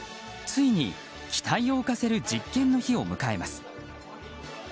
ついに機体を浮かせる実験の日を迎えます。